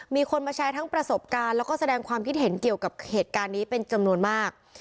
มีคนมาแชร์ทั้งประสบการณ์แล้วก็แสดงความคิดเห็นเกี่ยวกับเหตุการณ์นี้เป็นจำนวนมาก